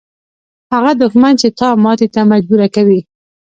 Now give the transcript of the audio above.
هغه دښمن چې تا ماتې ته مجبوره کوي.